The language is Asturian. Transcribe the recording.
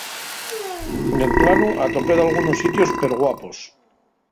Nel planu atopé dalgunos sitios perguapos.